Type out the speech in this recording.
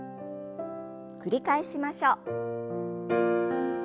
繰り返しましょう。